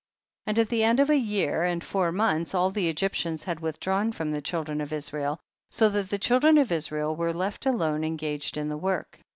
25. And at the end of a year and four months all the Egyptians had withdrawn from the children of Israel, so that the children of Israel were left alone engaged in the work.